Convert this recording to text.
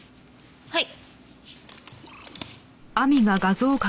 はい。